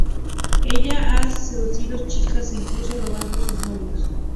Ella ha seducido chicas e incluso robando sus novios.